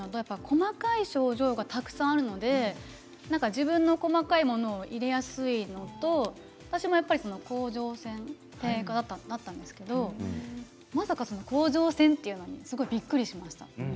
細かい症状がたくさんあるので自分の細かいものが入れやすいと私も、やっぱり甲状腺だったんですけどまさか甲状腺というのはびっくりしました。